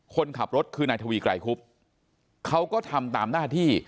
คนขับรถคือนายทวีไกรคุบเขาก็ทำตามหน้าที่